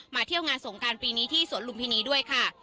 เที่ยวงานสงการปีนี้ที่สวนลุมพินีด้วยค่ะ